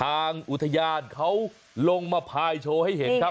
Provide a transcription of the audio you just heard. ทางอุทยานเขาลงมาพายโชว์ให้เห็นครับ